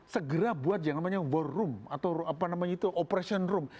segera buat yang namanya war room atau apa namanya itu operation room